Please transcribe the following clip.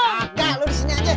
agak lu di sini aja